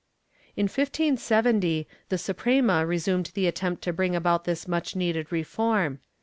* In 1570 the Suprema resumed the attempt to bring about this much needed reform.